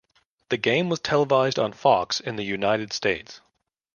The game was televised on Fox in the United States.